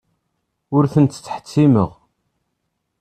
Ur ten-ttḥettimeɣ.